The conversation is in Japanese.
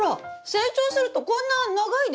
成長するとこんな長いですよね！